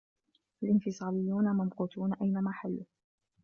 الإنفصاليون ممقوتون أينما حلّوا.